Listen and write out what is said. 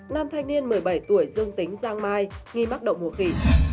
nam thanh niên một mươi bảy tuổi dương tính giang mai nghi mắc đậu mùa khỉ